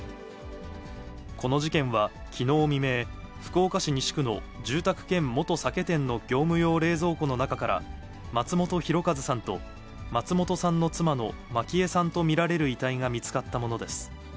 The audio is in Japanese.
この事件はきのう未明、福岡市西区の住宅兼元酒店の業務用冷蔵庫の中から、松本博和さんと松本さんの妻の満喜枝さんと見られる遺体が見つかったものです。